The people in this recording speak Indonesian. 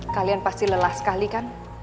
kalian pasti lelah sekali kan